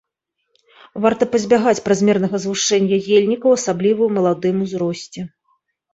Варта пазбягаць празмернага згушчэння ельнікаў, асабліва ў маладым узросце.